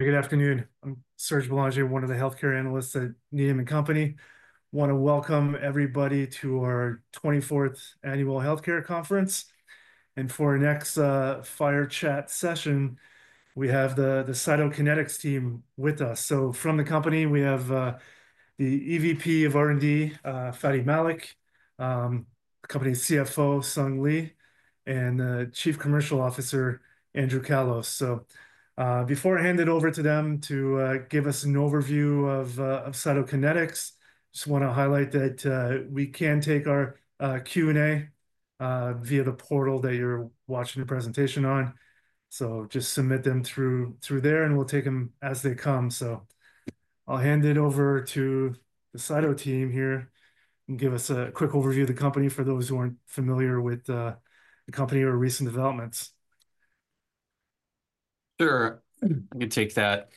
Good afternoon. I'm Serge Boulanger, one of the healthcare analysts at NEOM & Company. I want to welcome everybody to our 24th Annual Healthcare Conference. For our next Fireside Chat session, we have the Cytokinetics team with us. From the company, we have the EVP of R&D, Fady Malik, the company's CFO, Sung Lee, and the Chief Commercial Officer, Andrew Callos. Before I hand it over to them to give us an overview of Cytokinetics, I just want to highlight that we can take our Q&A via the portal that you're watching the presentation on. Just submit them through there, and we'll take them as they come. I'll hand it over to the Cytokinetics team here and give us a quick overview of the company for those who aren't familiar with the company or recent developments. Sure. I can take that.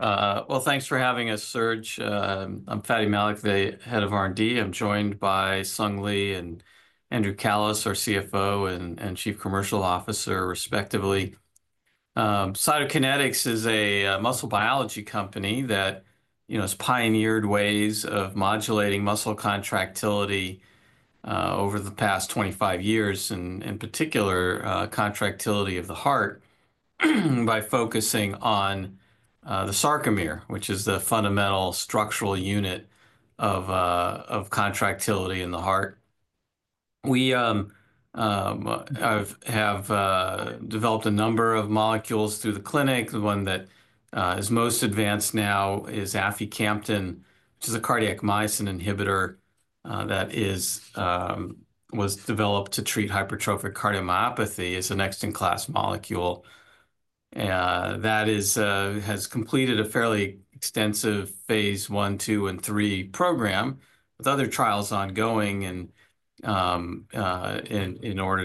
Thanks for having us, Serge. I'm Fady Malik, the head of R&D. I'm joined by Sung Lee and Andrew Callos, our CFO and Chief Commercial Officer, respectively. Cytokinetics is a muscle biology company that has pioneered ways of modulating muscle contractility over the past 25 years, and in particular, contractility of the heart by focusing on the sarcomere, which is the fundamental structural unit of contractility in the heart. We have developed a number of molecules through the clinic. The one that is most advanced now is Aficamten, which is a cardiac myosin inhibitor that was developed to treat hypertrophic cardiomyopathy. It's a next-in-class molecule that has completed a fairly extensive phase one, two, and three program with other trials ongoing in order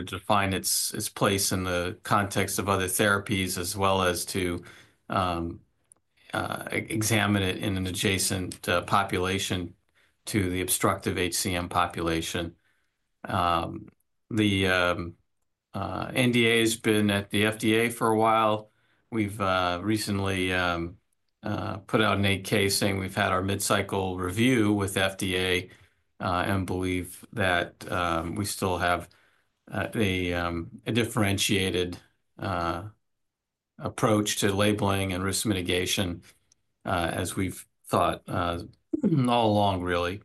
to define its place in the context of other therapies, as well as to examine it in an adjacent population to the obstructive HCM population. The NDA has been at the FDA for a while. We've recently put out an 8-K. We've had our mid-cycle review with FDA and believe that we still have a differentiated approach to labeling and risk mitigation, as we've thought all along, really,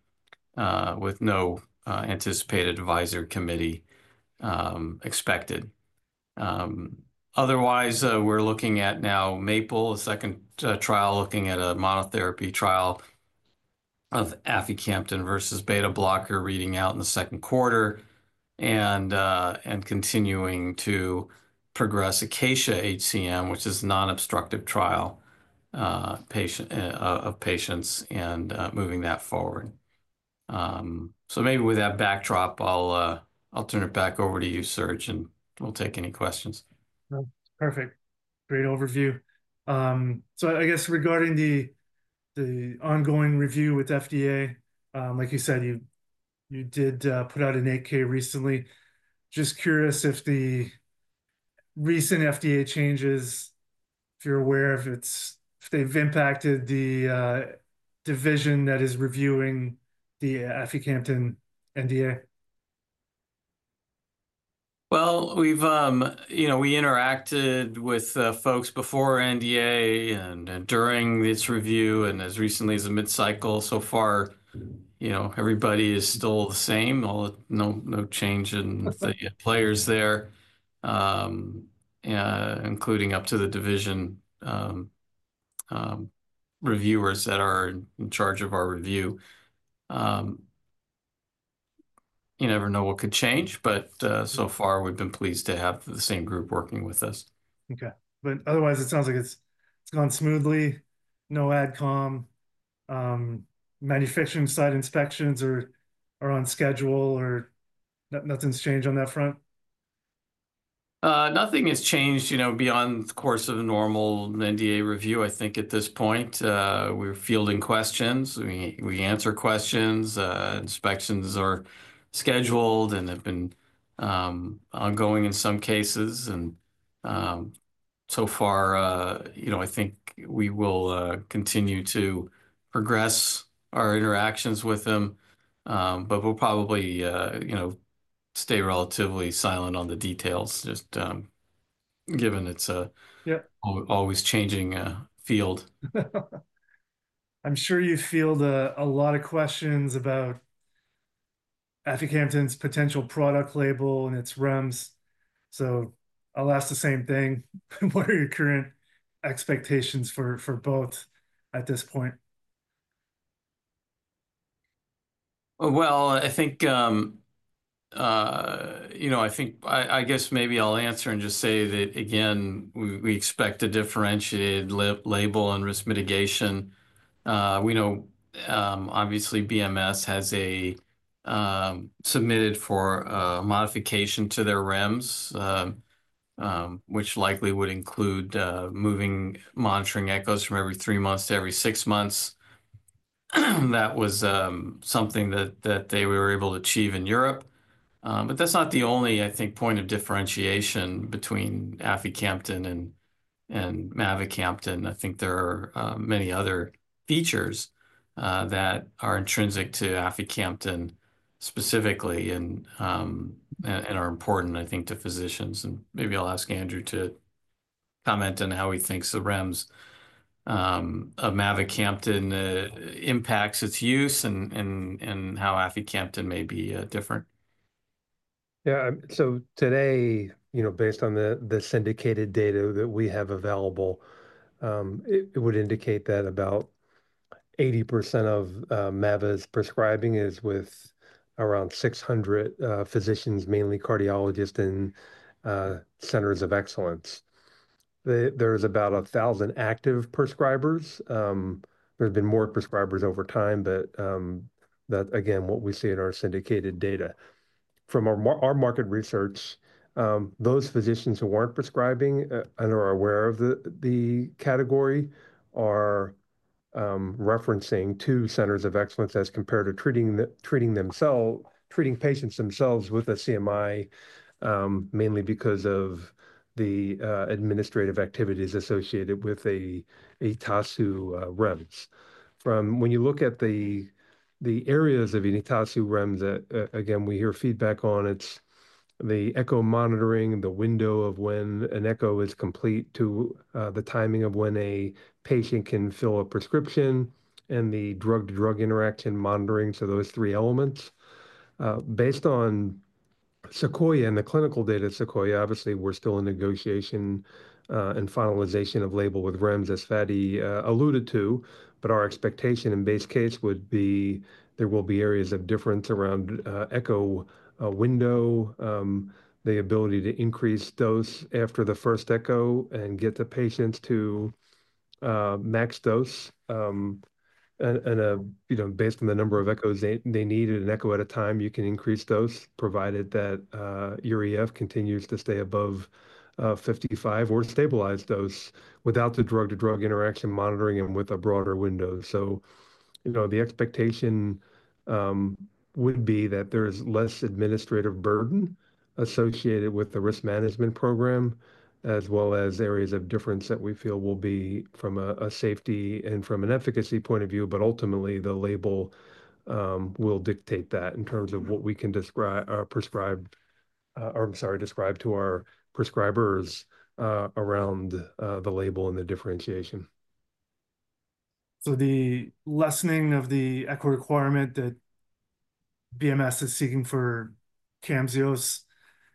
with no anticipated advisory committee expected. Otherwise, we're looking at now MAPLE, a second trial looking at a monotherapy trial of Aficamten versus beta-blocker reading out in the second quarter and continuing to progress ACACIA-HCM, which is a non-obstructive trial of patients and moving that forward. Maybe with that backdrop, I'll turn it back over to you, Serge, and we'll take any questions. Perfect. Great overview. I guess regarding the ongoing review with FDA, like you said, you did put out an 8-K recently. Just curious if the recent FDA changes, if you're aware of it, if they've impacted the division that is reviewing the Aficamten NDA. We interacted with folks before NDA and during this review and as recently as a mid-cycle. So far, everybody is still the same. No change in the players there, including up to the division reviewers that are in charge of our review. You never know what could change, but so far, we've been pleased to have the same group working with us. Okay. Otherwise, it sounds like it's gone smoothly. No adcom. Manufacturing site inspections are on schedule. Nothing's changed on that front? Nothing has changed beyond the course of the normal NDA review, I think, at this point. We're fielding questions. We answer questions. Inspections are scheduled and have been ongoing in some cases. So far, I think we will continue to progress our interactions with them, but we'll probably stay relatively silent on the details, just given it's an always changing field. I'm sure you field a lot of questions about Aficamten's potential product label and its REMS. So I'll ask the same thing. What are your current expectations for both at this point? I think I guess maybe I'll answer and just say that, again, we expect a differentiated label and risk mitigation. We know, obviously, BMS has submitted for modification to their REMS, which likely would include moving monitoring echoes from every three months to every six months. That was something that they were able to achieve in Europe. That is not the only, I think, point of differentiation between Aficamten and Mavacamten. I think there are many other features that are intrinsic to Aficamtenspecifically and are important, I think, to physicians. Maybe I'll ask Andrew to comment on how he thinks the REMS of Mavacamten impacts its use and how Aficamten may be different. Yeah. Today, based on the syndicated data that we have available, it would indicate that about 80% of MAVA's prescribing is with around 600 physicians, mainly Cardiologists and centers of excellence. There's about 1,000 active prescribers. There have been more prescribers over time, but that, again, is what we see in our syndicated data. From our Market Research, those physicians who weren't prescribing and are aware of the category are referencing two centers of excellence as compared to treating patients themselves with a CMI, mainly because of the administrative activities associated with the ETASU REMS. When you look at the areas of ETASU REMS, again, we hear feedback on it's the ECHO monitoring, the window of when an ECHO is complete to the timing of when a patient can fill a prescription, and the drug-to-drug interaction monitoring. Those three elements. Based on Sequoia and the clinical data at Sequoia, obviously, we're still in negotiation and finalization of label with REMS, as Fady alluded to. Our expectation in base case would be there will be areas of difference around ECHO window, the ability to increase dose after the first ECHO and get the patients to max dose. Based on the number of echoes they need and an ECHO at a time, you can increase dose provided that EF continues to stay above 55% or stabilize dose without the drug-to-drug interaction monitoring and with a broader window. The expectation would be that there is less administrative burden associated with the risk management program, as well as areas of difference that we feel will be from a safety and from an efficacy point of view. Ultimately, the label will dictate that in terms of what we can prescribe or, I'm sorry, describe to our prescribers around the label and the differentiation. The lessening of the ECHO requirement that BMS is seeking for Camzyos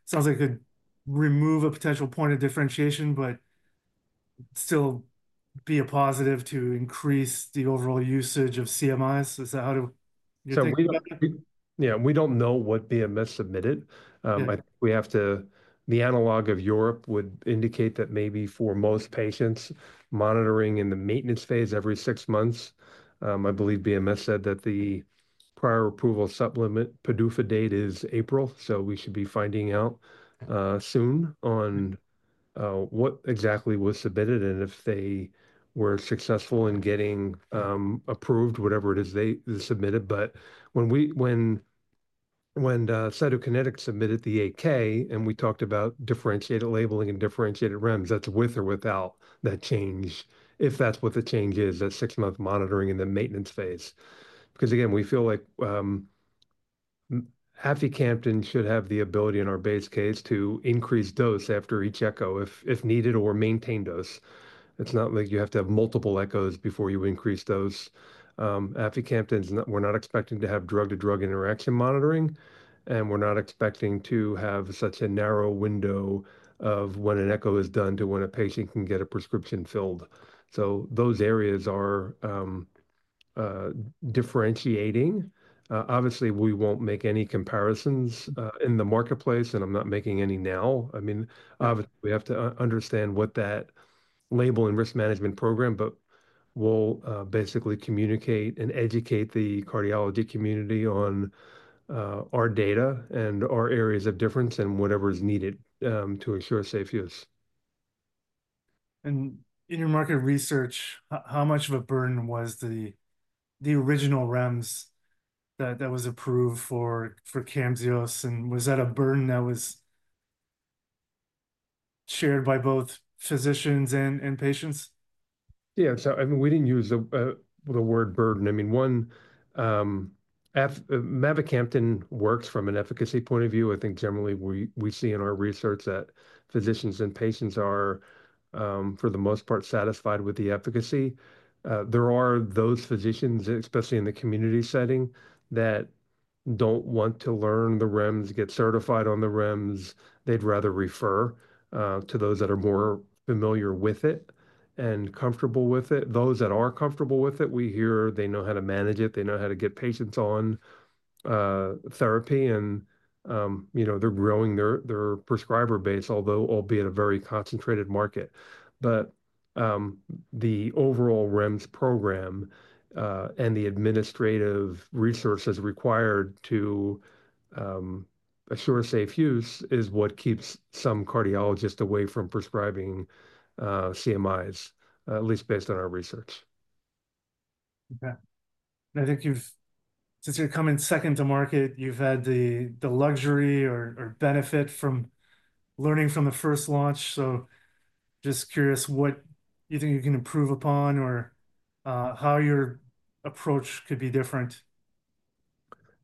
sounds like it could remove a potential point of differentiation, but still be a positive to increase the overall usage of CMIs. Is that how you're thinking? Yeah. We don't know what BMS submitted. I think we have to, the analog of Europe would indicate that maybe for most patients, monitoring in the maintenance phase every six months. I believe BMS said that the prior approval supplement PDUFA date is April. We should be finding out soon on what exactly was submitted and if they were successful in getting approved, whatever it is they submitted. When Cytokinetics submitted the 8-K and we talked about differentiated labeling and differentiated REMS, that's with or without that change, if that's what the change is, that six-month monitoring in the maintenance phase. Again, we feel like Aficamten should have the ability in our base case to increase dose after each ECHO if needed or maintain dose. It's not like you have to have multiple echoes before you increase dose. Aficamten, we're not expecting to have drug-to-drug interaction monitoring, and we're not expecting to have such a narrow window of when an ECHO is done to when a patient can get a prescription filled. Those areas are differentiating. Obviously, we won't make any comparisons in the marketplace, and I'm not making any now. I mean, obviously, we have to understand what that label and risk management program, but we'll basically communicate and educate the Cardiology community on our data and our areas of difference and whatever is needed to ensure safe use. In your Market Research, how much of a burden was the original REMS that was approved for Camzyos? Was that a burden that was shared by both physicians and patients? Yeah. I mean, we didn't use the word burden. I mean, Mavacamten works from an efficacy point of view. I think generally, we see in our research that physicians and patients are, for the most part, satisfied with the efficacy. There are those physicians, especially in the community setting, that don't want to learn the REMS, get certified on the REMS. They'd rather refer to those that are more familiar with it and comfortable with it. Those that are comfortable with it, we hear they know how to manage it. They know how to get patients on therapy, and they're growing their prescriber base, although albeit a very concentrated market. The overall REMS program and the administrative resources required to assure safe use is what keeps some cardiologists away from prescribing CMIs, at least based on our research. Okay. I think since you're coming second to market, you've had the luxury or benefit from learning from the first launch. Just curious what you think you can improve upon or how your approach could be different.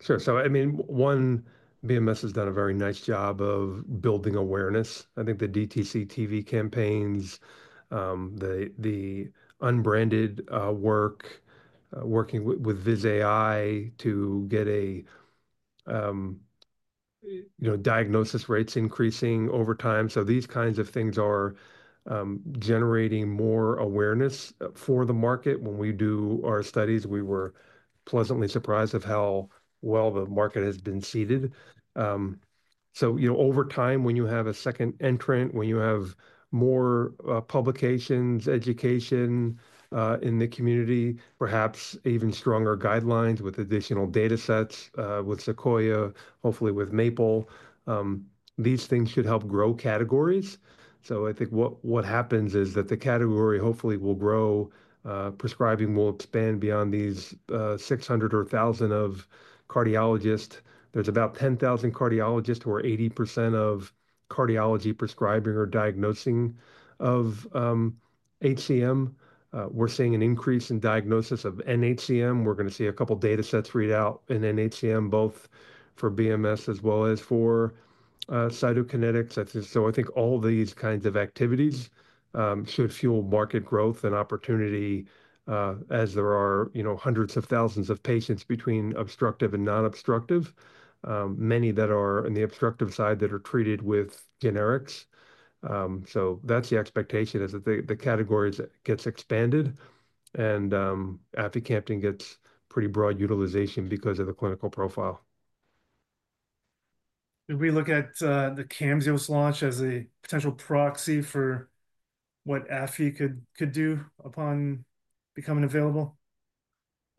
Sure. I mean, one, Bristol-Myers Squibb has done a very nice job of building awareness. I think the DTC TV campaigns, the unbranded work, working with Viz.ai to get diagnosis rates increasing over time. These kinds of things are generating more awareness for the market. When we do our studies, we were pleasantly surprised of how well the market has been seeded. Over time, when you have a second entrant, when you have more publications, education in the community, perhaps even stronger guidelines with additional data sets with Sequoia, hopefully with MAPLE, these things should help grow categories. I think what happens is that the category hopefully will grow, prescribing will expand beyond these 600 or 1,000 Cardiologists. There are about 10,000 Cardiologists who are 80% of Cardiology prescribing or diagnosing of HCM. We're seeing an increase in diagnosis of NHCM. We're going to see a couple of data sets read out in NHCM, both for BMS as well as for Cytokinetics. I think all these kinds of activities should fuel market growth and opportunity as there are hundreds of thousands of patients between obstructive and non-obstructive, many that are on the obstructive side that are treated with generics. The expectation is that the categories get expanded and Aficamten gets pretty broad utilization because of the clinical profile. Did we look at the Camzyos launch as a potential proxy for what AFI could do upon becoming available?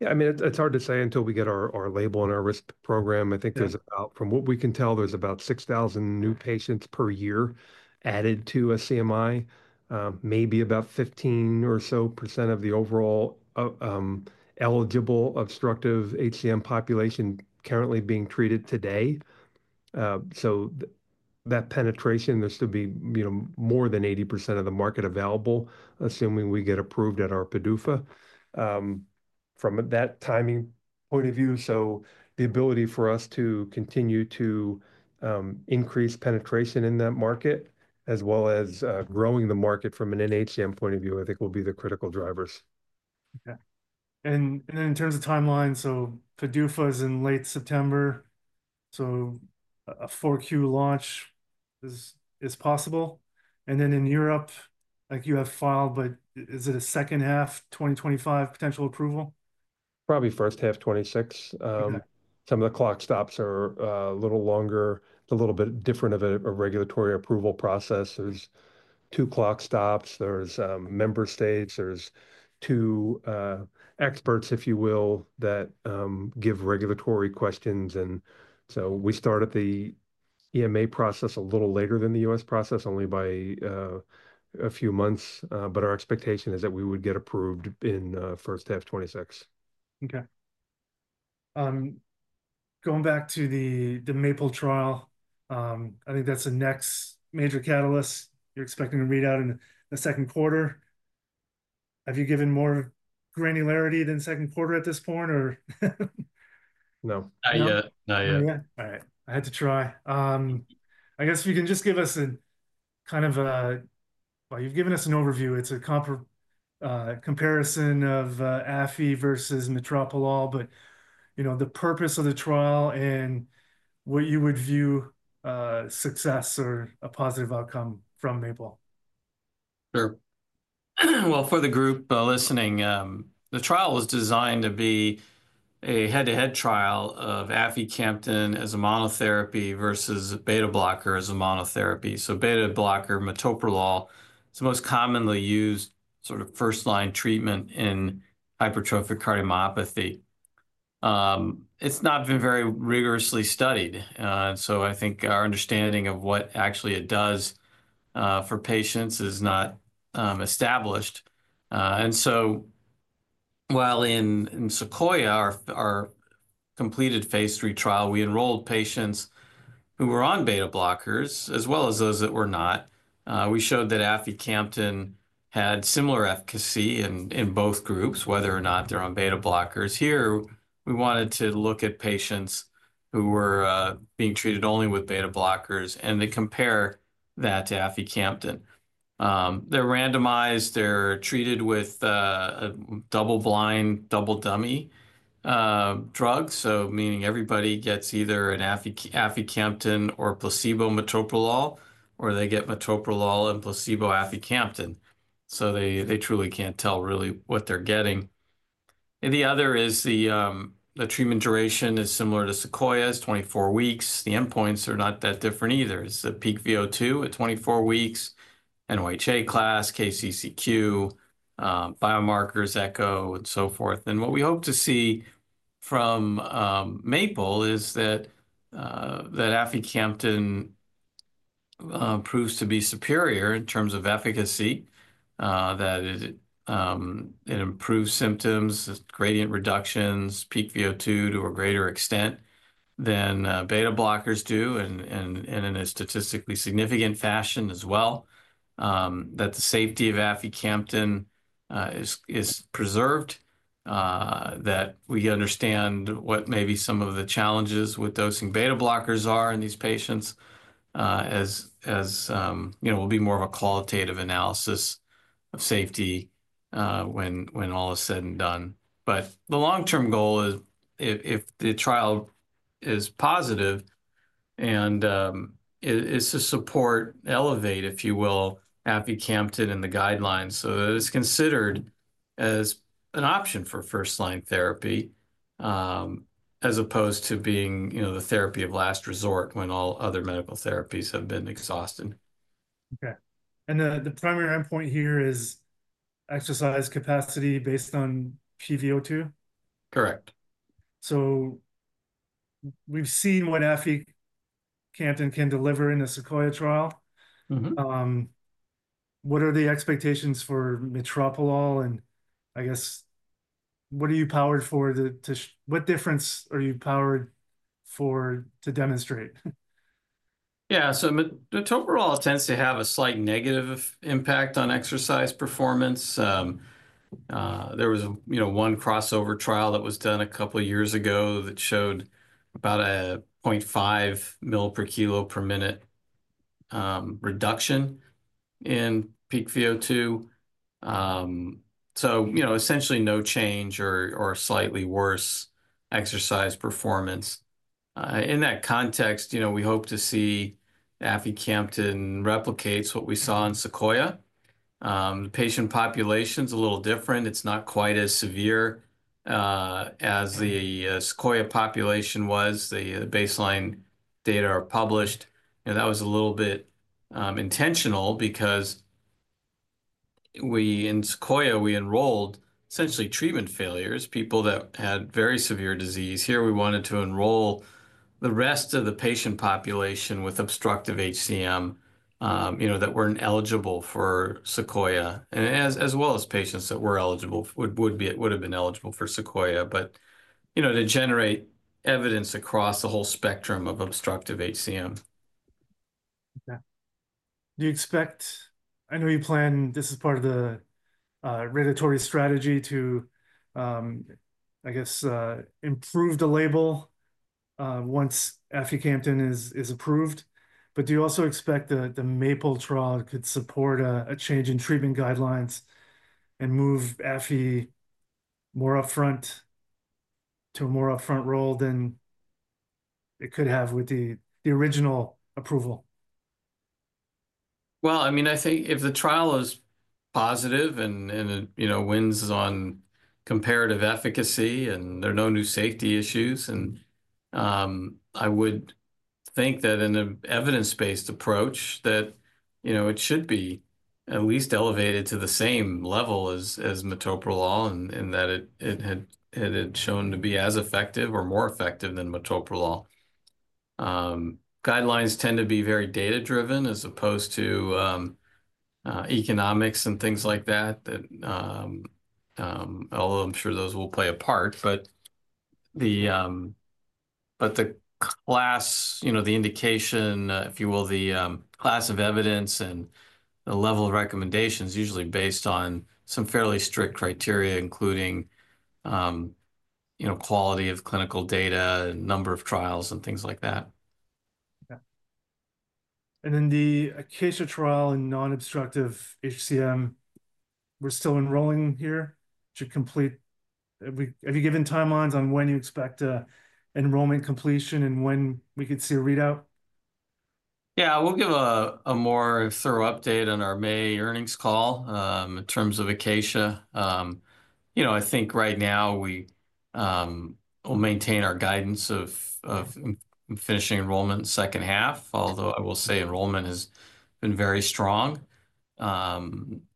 Yeah. I mean, it's hard to say until we get our label and our risk program. I think there's about, from what we can tell, there's about 6,000 new patients per year added to a CMI, maybe about 15% or so of the overall eligible obstructive HCM population currently being treated today. That penetration, there should be more than 80% of the market available, assuming we get approved at our PDUFA from that timing point of view. The ability for us to continue to increase penetration in that market, as well as growing the market from an NHCM point of view, I think will be the critical drivers. Okay. In terms of timeline, PDUFA is in late September. A 4Q launch is possible. In Europe, I think you have filed, but is it a second half 2025 potential approval? Probably first half 2026. Some of the clock stops are a little longer. It's a little bit different of a regulatory approval process. There are two clock stops. There are member states. There are two experts, if you will, that give regulatory questions. We started the EMA process a little later than the US process, only by a few months. Our expectation is that we would get approved in first half 2026. Okay. Going back to the MAPLE-HCM trial, I think that's the next major catalyst you're expecting to read out in the second quarter. Have you given more granularity than second quarter at this point, or? No. Not yet. Not yet. Not yet? All right. I had to try. I guess if you can just give us kind of a, well, you've given us an overview. It's a comparison of AFI versus Metoprolol. All. But the purpose of the trial and what you would view success or a positive outcome from MAPL. Sure. For the group listening, the trial was designed to be a head-to-head trial of Aficamten as a monotherapy versus beta-blocker as a monotherapy. Beta-blocker, metoprolol, is the most commonly used sort of first-line treatment in hypertrophic cardiomyopathy. It's not been very rigorously studied. I think our understanding of what actually it does for patients is not established. While in Sequoia, our completed phase three trial, we enrolled patients who were on beta-blockers as well as those that were not. We showed that Aficamten had similar efficacy in both groups, whether or not they're on beta-blockers. Here, we wanted to look at patients who were being treated only with beta-blockers and to compare that to Aficamten. They're randomized. They're treated with a double-blind, double-dummy drug. Meaning everybody gets either an Aficamten or placebo metoprolol, or they get metoprolol and placebo Aficamten. They truly can't tell really what they're getting. The other is the treatment duration is similar to Sequoia's 24 weeks. The endpoints are not that different either. It's a peak VO2 at 24 weeks, NYHA class, KCCQ, biomarkers, echo, and so forth. What we hope to see from MAPLE is that Aficamten proves to be superior in terms of efficacy, that it improves symptoms, gradient reductions, peak VO2 to a greater extent than beta-blockers do, and in a statistically significant fashion as well, that the safety of Aficamten is preserved, that we understand what maybe some of the challenges with dosing beta-blockers are in these patients, as it will be more of a qualitative analysis of safety when all is said and done. The long-term goal is if the trial is positive, and it's to support, elevate, if you will, Aficamten in the guidelines so that it's considered as an option for first-line therapy as opposed to being the therapy of last resort when all other medical therapies have been exhausted. Okay. The primary endpoint here is exercise capacity based on peak VO2? Correct. We've seen what Aficamten can deliver in the Sequoia trial. What are the expectations for metoprolol? I guess, what are you powered for? What difference are you powered for to demonstrate? Yeah. Metoprolol tends to have a slight negative impact on exercise performance. There was one crossover trial that was done a couple of years ago that showed about a 0.5 mL per kg per minute reduction in peak VO2. Essentially no change or slightly worse exercise performance. In that context, we hope to see Aficamten replicates what we saw in Sequoia. The patient population is a little different. It is not quite as severe as the Sequoia population was. The baseline data are published. That was a little bit intentional because in Sequoia, we enrolled essentially treatment failures, people that had very severe disease. Here, we wanted to enroll the rest of the patient population with obstructive HCM that were not eligible for Sequoia, as well as patients that would have been eligible for Sequoia, but to generate evidence across the whole spectrum of obstructive HCM. Okay. Do you expect, I know you plan this as part of the regulatory strategy to, I guess, improve the label once Aficamten is approved. Do you also expect that the MAPLE trial could support a change in treatment guidelines and move AFI more upfront to a more upfront role than it could have with the original approval? I mean, I think if the trial is positive and it wins on comparative efficacy and there are no new safety issues, I would think that in an evidence-based approach, that it should be at least elevated to the same level as metoprolol and that it had shown to be as effective or more effective than metoprolol. Guidelines tend to be very data-driven as opposed to economics and things like that, although I'm sure those will play a part. The class, the indication, if you will, the class of evidence and the level of recommendation is usually based on some fairly strict criteria, including quality of clinical data and number of trials and things like that. Okay. The ACACIA-HCM trial in non-obstructive HCM, we're still enrolling here to complete. Have you given timelines on when you expect enrollment completion and when we could see a readout? Yeah. We'll give a more thorough update on our May earnings call in terms of ACACIA-HCM. I think right now we will maintain our guidance of finishing enrollment in the second half, although I will say enrollment has been very strong. I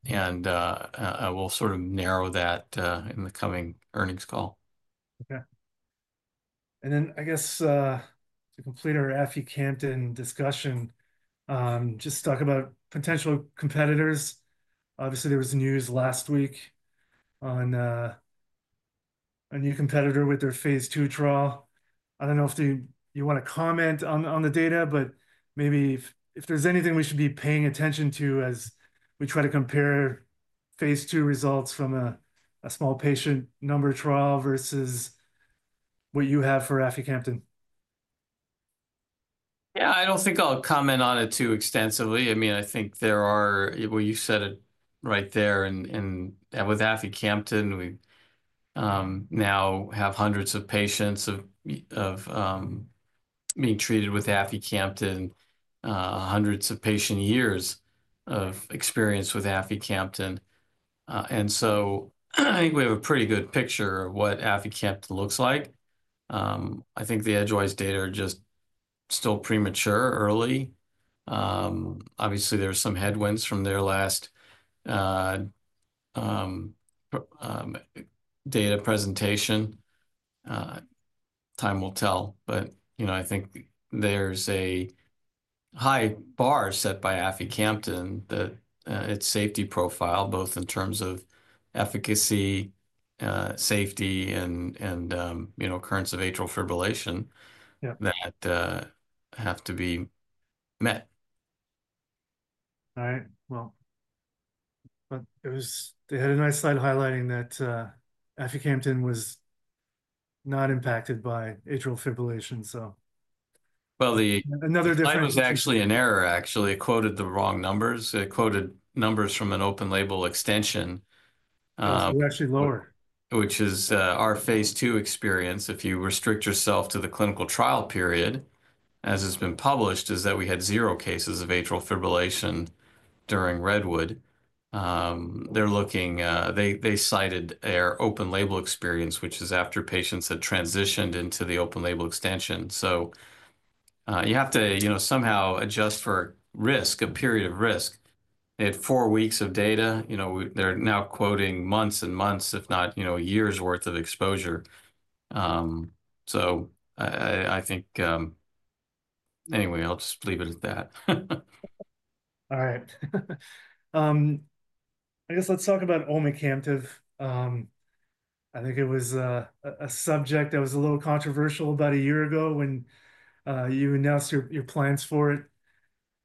will sort of narrow that in the coming earnings call. Okay. I guess to complete our Aficamten discussion, just talk about potential competitors. Obviously, there was news last week on a new competitor with their phase two trial. I do not know if you want to comment on the data, but maybe if there is anything we should be paying attention to as we try to compare phase two results from a small patient number trial versus what you have for Aficamten. Yeah. I don't think I'll comment on it too extensively. I mean, I think there are what you said right there. And with Aficamten, we now have hundreds of patients being treated with Aficamten, hundreds of patient years of experience with Aficamten. I think we have a pretty good picture of what Aficamten looks like. I think the Edgewise data are just still premature, early. Obviously, there are some headwinds from their last data presentation. Time will tell. I think there's a high bar set by Aficamten that its safety profile, both in terms of efficacy, safety, and occurrence of atrial fibrillation that have to be met. All right. They had a nice slide highlighting that Aficamten was not impacted by atrial fibrillation, so. Well, the. Another difference. Mine was actually an error, actually. It quoted the wrong numbers. It quoted numbers from an open label extension. Which is actually lower. Which is our phase two experience. If you restrict yourself to the clinical trial period, as has been published, is that we had zero cases of atrial fibrillation during Redwood. They cited our open label experience, which is after patients had transitioned into the open label extension. You have to somehow adjust for risk, a period of risk. They had four weeks of data. They are now quoting months and months, if not years' worth of exposure. I think anyway, I'll just leave it at that. All right. I guess let's talk about Omecamtiv mecarbil. I think it was a subject that was a little controversial about a year ago when you announced your plans for it.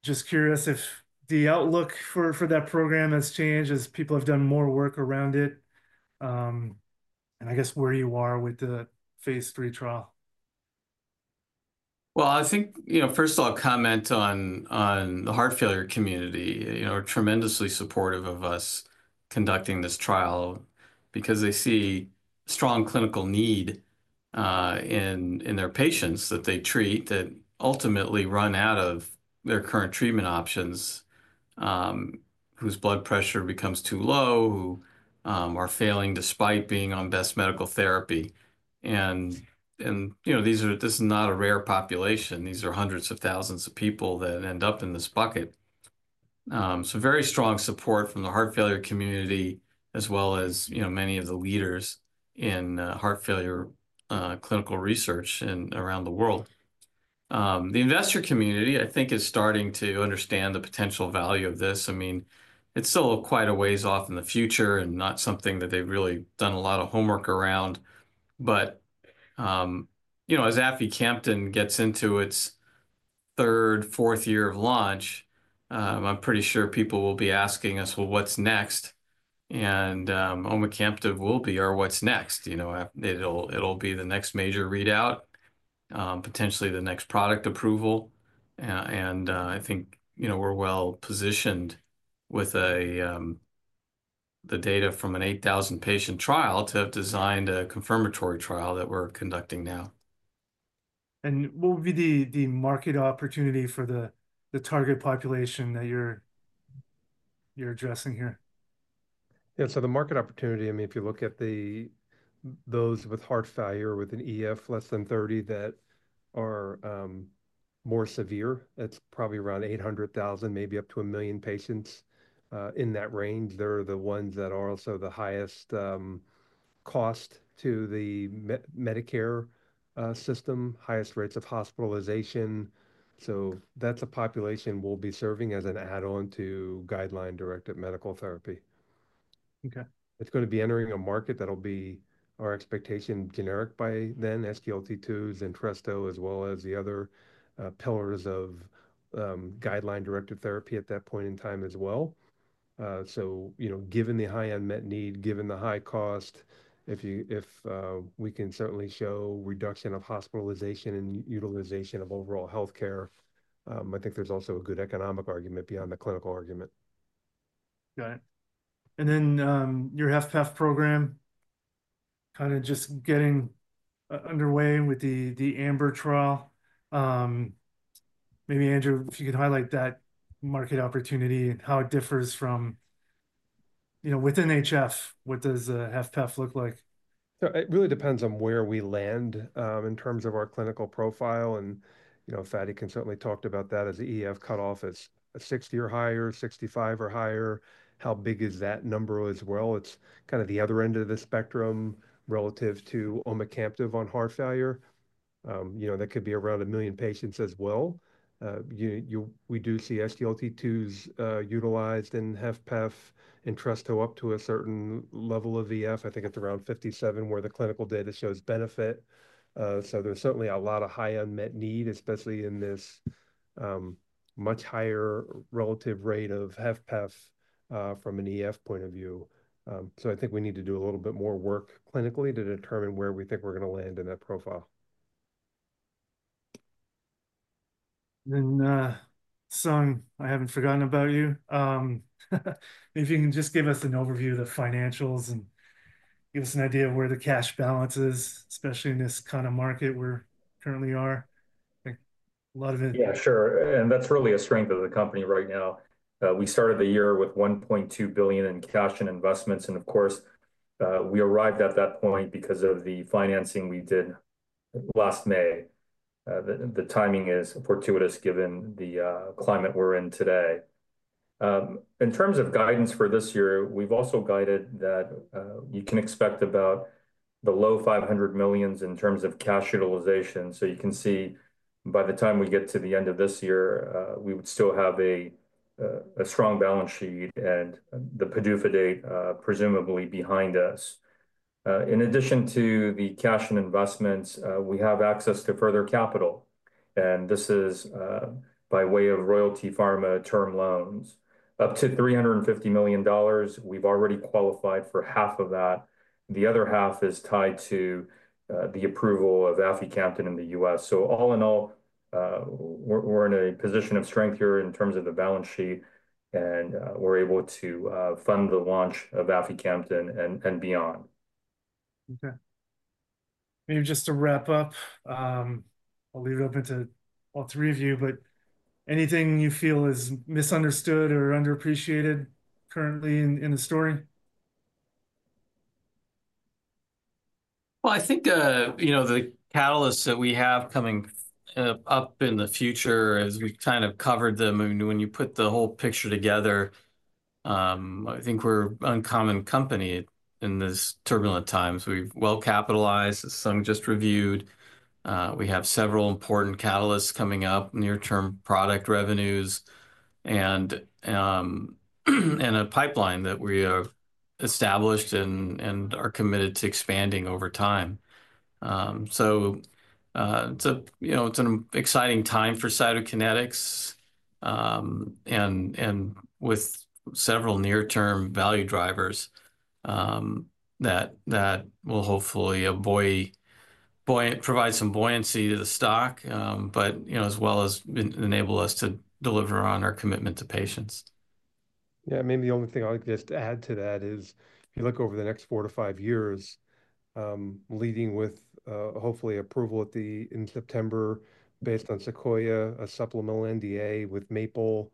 Just curious if the outlook for that program has changed as people have done more work around it. I guess where you are with the phase three trial. I think, first of all, comment on the heart failure community. They're tremendously supportive of us conducting this trial because they see strong clinical need in their patients that they treat that ultimately run out of their current treatment options, whose blood pressure becomes too low, who are failing despite being on best medical therapy. This is not a rare population. These are hundreds of thousands of people that end up in this bucket. Very strong support from the heart failure community as well as many of the leaders in heart failure clinical research around the world. The investor community, I think, is starting to understand the potential value of this. I mean, it's still quite a ways off in the future and not something that they've really done a lot of homework around. As Aficamten gets into its third, fourth year of launch, I'm pretty sure people will be asking us, "Well, what's next?" Omecamtiv will be our what's next. It'll be the next major readout, potentially the next product approval. I think we're well positioned with the data from an 8,000-patient trial to have designed a confirmatory trial that we're conducting now. What would be the market opportunity for the target population that you're addressing here? Yeah. So the market opportunity, I mean, if you look at those with heart failure with an EF less than 30 that are more severe, it's probably around 800,000, maybe up to a million patients in that range. They're the ones that are also the highest cost to the Medicare system, highest rates of hospitalization. So that's a population we'll be serving as an add-on to guideline-directed medical therapy. Okay. It's going to be entering a market that'll be our expectation generic by then, SGLT2s, Entresto, as well as the other pillars of guideline-directed therapy at that point in time as well. Given the high unmet need, given the high cost, if we can certainly show reduction of hospitalization and utilization of overall healthcare, I think there's also a good economic argument beyond the clinical argument. Got it. Your HFpEF program, kind of just getting underway with the Amber trial. Maybe Andrew, if you could highlight that market opportunity and how it differs from within HF, what does HFpEF look like? It really depends on where we land in terms of our clinical profile. Fady can certainly talk about that as the EF cutoff is 60 or higher, 65 or higher. How big is that number as well? It's kind of the other end of the spectrum relative to Omecamtiv on heart failure. That could be around 1 million patients as well. We do see SGLT2s utilized in HFpEF, Entresto up to a certain level of EF. I think it's around 57 where the clinical data shows benefit. There is certainly a lot of high unmet need, especially in this much higher relative rate of HFpEF from an EF point of view. I think we need to do a little bit more work clinically to determine where we think we're going to land in that profile. Sung, I haven't forgotten about you. If you can just give us an overview of the financials and give us an idea of where the cash balance is, especially in this kind of market we currently are. I think a lot of it. Yeah, sure. That's really a strength of the company right now. We started the year with $1.2 billion in cash and investments. Of course, we arrived at that point because of the financing we did last May. The timing is fortuitous given the climate we're in today. In terms of guidance for this year, we've also guided that you can expect about the low $500 million in terms of cash utilization. You can see by the time we get to the end of this year, we would still have a strong balance sheet and the PDUFA date presumably behind us. In addition to the cash and investments, we have access to further capital. This is by way of Royalty Pharma term loans. Up to $350 million, we've already qualified for half of that. The other half is tied to the approval of Aficamten in the US. All in all, we're in a position of strength here in terms of the balance sheet, and we're able to fund the launch of Aficamten and beyond. Okay. Maybe just to wrap up, I'll leave it open to all three of you, but anything you feel is misunderstood or underappreciated currently in the story? I think the catalysts that we have coming up in the future, as we've kind of covered them, when you put the whole picture together, I think we're an uncommon company in these turbulent times. We're well capitalized, as Sung just reviewed. We have several important catalysts coming up, near-term product revenues, and a pipeline that we have established and are committed to expanding over time. It is an exciting time for Cytokinetics and with several near-term value drivers that will hopefully provide some buoyancy to the stock, as well as enable us to deliver on our commitment to patients. Yeah. Maybe the only thing I would just add to that is if you look over the next four to five years, leading with hopefully approval in September based on Sequoia, a supplemental NDA with MAPLE,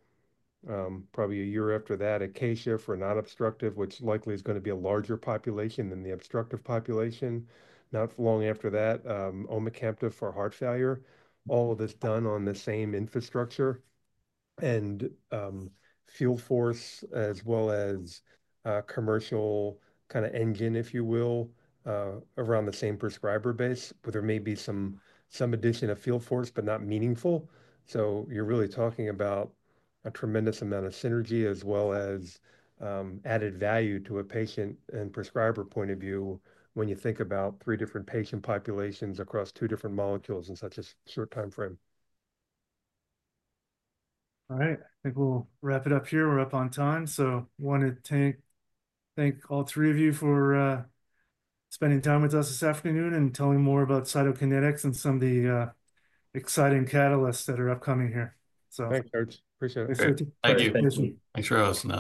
probably a year after that, ACACIA for non-obstructive, which likely is going to be a larger population than the obstructive population. Not long after that, omecamtiv mecarbil for heart failure. All of this done on the same infrastructure. And Fuel Force, as well as commercial kind of engine, if you will, around the same prescriber base, but there may be some addition of Fuel Force, but not meaningful. You are really talking about a tremendous amount of synergy as well as added value to a patient and prescriber point of view when you think about three different patient populations across two different molecules in such a short time frame. All right. I think we'll wrap it up here. We're up on time. I want to thank all three of you for spending time with us this afternoon and telling more about Cytokinetics and some of the exciting catalysts that are upcoming here. Thanks, George. Appreciate it. Thank you. Thank you. Thanks, Ross.